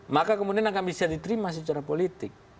maka kemudian akan bisa diterima secara politik